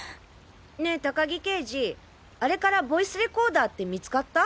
ねえ高木刑事あれからボイスレコーダーって見つかった？